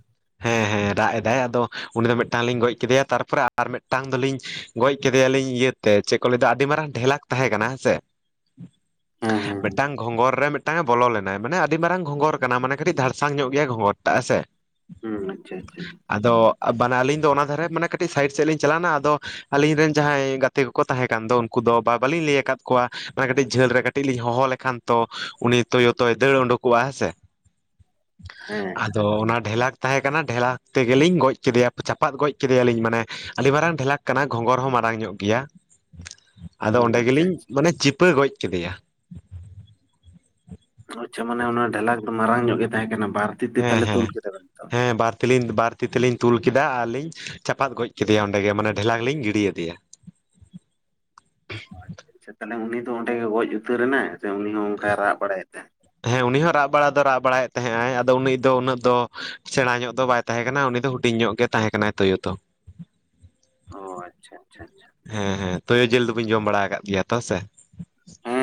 Speaker 2: ᱦᱮᱸ ᱦᱮᱸ ᱨᱟᱜ ᱮᱫᱟᱭ ᱟᱫᱚ ᱩᱱᱤ ᱫᱚ ᱢᱤᱫᱴᱟᱝ ᱞᱤᱧ ᱜᱚᱡ ᱠᱮᱫᱮᱭᱟ ᱛᱟᱨᱯᱚᱨᱮ ᱟᱨ ᱢᱤᱫᱴᱟᱝ ᱫᱚᱞᱤᱧ ᱜᱚᱡ ᱠᱮᱫᱮᱭᱟᱞᱤᱧ ᱤᱭᱟᱹ ᱪᱮᱫ ᱠᱚ ᱞᱟᱹᱭᱟ ᱟᱹᱰᱤ ᱢᱟᱨᱟᱝ ᱰᱷᱮᱞᱟᱠ ᱛᱟᱦᱮᱸ ᱠᱟᱱᱟ ᱦᱮᱸᱥᱮ
Speaker 1: ᱦᱮᱸ ᱦᱮᱸ
Speaker 2: ᱢᱤᱫᱴᱟᱝ ᱜᱷᱚᱸᱜᱚᱨ ᱨᱮ ᱢᱤᱫᱴᱟᱝᱮ ᱵᱚᱞᱚ ᱞᱮᱱᱟᱭ ᱢᱟᱱᱮ ᱟᱹᱰᱤ ᱢᱟᱨᱟᱝ ᱜᱷᱚᱸᱜᱚᱨ ᱠᱟᱱᱟ ᱢᱟᱱᱮ ᱠᱟᱹᱴᱤᱡ ᱫᱷᱟᱲᱥᱟᱝ ᱧᱚᱜ ᱜᱮᱭᱟ ᱜᱷᱚᱸᱜᱚᱨ ᱴᱟᱜ ᱦᱮᱸ ᱥᱮ
Speaker 1: ᱦᱩᱸ ᱟᱪᱪᱷᱟ ᱟᱪᱪᱷᱟ
Speaker 2: ᱟᱫᱚ ᱟᱞᱤᱧ ᱫᱚ ᱚᱱᱟ ᱫᱷᱟᱨᱮ ᱢᱟᱱᱮ ᱠᱟᱹᱴᱤᱡ ᱥᱟᱭᱤᱰ ᱥᱮᱫ ᱞᱤᱧ ᱪᱟᱞᱟᱣᱱᱟ ᱟᱫᱚ ᱟᱞᱤᱧ ᱨᱮᱱ ᱡᱟᱦᱟᱸᱭ ᱜᱟᱛᱮ ᱜᱟᱛᱮ ᱠᱚᱠᱚ ᱛᱟᱦᱮᱸ ᱠᱟᱱ ᱫᱚ ᱩᱱᱠᱩ ᱫᱚ ᱵᱟ ᱵᱟᱞᱤᱧ ᱞᱟᱹᱭ ᱟᱠᱟᱫ ᱠᱚᱣᱟ ᱚᱱᱟ ᱠᱟᱹᱴᱤᱡ ᱡᱷᱟᱹᱞ ᱨᱮ ᱠᱟᱹᱴᱤᱡ ᱞᱤᱧ ᱦᱚᱦᱚ ᱞᱮᱠᱷᱟᱱ ᱛᱚ ᱩᱱᱤ ᱛᱳᱭᱳ ᱛᱚ ᱫᱟᱹᱲ ᱩᱰᱩᱠᱚᱜᱼᱟ ᱦᱮᱸ ᱥᱮ
Speaker 1: ᱦᱮᱸ
Speaker 2: ᱛᱚ ᱚᱱᱟ ᱰᱷᱮᱞᱟᱠ ᱛᱟᱦᱮᱸ ᱠᱟᱱᱟ ᱰᱷᱮᱞᱟᱠ ᱛᱮᱜᱮᱞᱤᱧ ᱜᱚᱡ ᱠᱮᱫᱮᱭᱟ ᱪᱟᱯᱟᱫ ᱜᱚᱡ ᱠᱮᱫᱮᱭᱟᱞᱤᱧ ᱢᱟᱱᱮ ᱟᱹᱰᱤ ᱢᱟᱨᱟᱝ ᱰᱷᱮᱞᱟᱠ ᱠᱟᱱᱟ ᱜᱷᱚᱸᱜᱚᱨ ᱦᱚᱸ ᱢᱟᱨᱟᱝ ᱧᱚᱜ ᱜᱮᱭᱟ ᱟᱫᱚ ᱚᱸᱰᱮ
Speaker 1: ᱟᱪᱪᱷᱟ
Speaker 2: ᱜᱮᱞᱤᱧ
Speaker 1: ᱟᱪᱪᱷᱟ
Speaker 2: ᱢᱟᱱᱮ ᱪᱤᱯᱟᱹ ᱜᱚᱡ ᱠᱮᱫᱮᱭᱟ ᱾
Speaker 1: ᱟᱪᱪᱷᱟ ᱢᱟᱱᱮ ᱚᱱᱟ ᱰᱷᱮᱞᱟᱠ ᱫᱚ ᱢᱟᱨᱟᱝ ᱧᱚᱜ ᱜᱮ ᱛᱟᱦᱮᱸ ᱠᱟᱱᱟ ᱵᱟᱨᱛᱤ ᱛᱮ ᱛᱟᱞᱮ ᱛᱩᱞ ᱠᱮᱫᱟ ᱵᱮᱱ ᱛᱚ
Speaker 2: ᱛᱮᱞᱤᱧ ᱵᱟᱨ ᱛᱤ ᱛᱮᱞᱤᱧ ᱛᱩᱞ ᱠᱮᱫᱟ ᱟᱨ ᱞᱤᱧ ᱪᱟᱯᱟᱫ ᱜᱚᱡ ᱠᱮᱫᱮᱭᱟ ᱚᱸᱰᱮ ᱜᱮ ᱢᱟᱱᱮ ᱰᱷᱮᱞᱟᱠᱞᱤᱧ ᱜᱤᱰᱤ ᱟᱫᱮᱭᱟ
Speaker 1: ᱚ ᱟᱪᱪᱷᱟ ᱟᱪᱪᱷᱟ ᱛᱟᱦᱚᱞᱮ ᱩᱱᱤᱫᱚ ᱚᱸᱰᱮ ᱜᱮ ᱜᱚᱡ ᱩᱛᱟᱹᱨ ᱮᱱᱟᱭ ᱥᱮ ᱩᱱᱤ ᱦᱚᱸ ᱚᱱᱠᱟᱭ ᱨᱟᱜ ᱵᱟᱲᱟᱭᱮᱫ ᱛᱟᱭ
Speaker 2: ᱦᱮᱸ ᱩᱱᱤ ᱦᱚᱸ ᱨᱟᱜ ᱵᱟᱲᱟ ᱫᱚᱭ ᱨᱟᱜ ᱵᱟᱲᱟᱭᱮᱫ ᱛᱟᱦᱮᱸᱜ ᱟᱭ ᱟᱫᱚ ᱩᱱᱤ ᱫᱚ ᱩᱱᱟᱹᱜ ᱫᱚ ᱥᱮᱬᱟ ᱧᱚᱜ ᱫᱚ ᱵᱟᱭ ᱛᱟᱦᱮᱸ ᱠᱟᱱᱟ ᱩᱱᱤ ᱫᱚ ᱦᱩᱰᱤᱧ ᱧᱚᱜ ᱜᱮ ᱛᱟᱦᱮᱸ ᱠᱟᱱᱟᱭ ᱛᱩᱭᱳ ᱛᱚ
Speaker 1: ᱚ ᱟᱪᱪᱷᱟ ᱟᱪᱪᱷᱟ ᱟᱪᱪᱷᱟ
Speaker 2: ᱦᱮᱸ ᱦᱮᱸ ᱛᱚᱭᱳ ᱡᱤᱞ ᱫᱚᱵᱟᱹᱧ ᱡᱚᱢ ᱵᱟᱲᱟ ᱟᱠᱟᱫ ᱜᱮᱭᱟ ᱛᱚ ᱥᱮ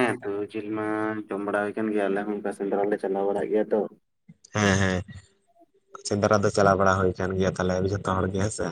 Speaker 1: ᱦᱮᱸ ᱛᱳᱭᱳ ᱡᱤᱞ ᱢᱟ ᱡᱚᱢ ᱵᱟᱲᱟ ᱦᱩᱭ ᱠᱟᱱ ᱜᱮᱭᱟ ᱟᱞᱮ ᱦᱚᱸ ᱚᱱᱠᱟ ᱥᱮᱸᱫᱽᱨᱟᱞᱮ ᱪᱟᱞᱟᱣ ᱵᱟᱲᱟᱜ ᱜᱮᱭᱟ ᱛᱚ
Speaker 2: ᱦᱮᱸ ᱦᱮᱸ ᱥᱮᱸᱫᱽᱨᱟ ᱫᱚ ᱪᱟᱞᱟᱣ ᱵᱟᱲᱟ ᱦᱩᱭ ᱟᱠᱟᱱ ᱜᱮᱭᱟ ᱛᱟᱦᱚᱞᱮ ᱡᱷᱚᱛᱚ ᱦᱚᱲ ᱜᱮ ᱦᱮᱸᱥᱮ